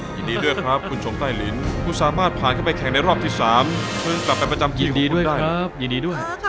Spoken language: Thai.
ยินดีด้วยครับคุณโฉงไต้ลิ้นกูสามารถผ่านเข้าไปแข่งในรอบที่สามเพิ่งกลับไปประจำกินของคุณได้